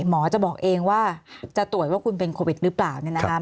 หมอจะบอกเองว่าจะตรวจว่าคุณเป็นโควิดหรือเปล่า